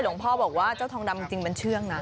หลวงพ่อบอกว่าเจ้าทองดำจริงมันเชื่องนะ